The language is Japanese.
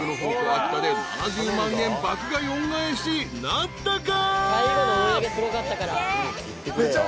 秋田で７０万円爆買い恩返しなったか？］